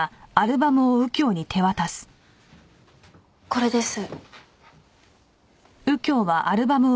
これです。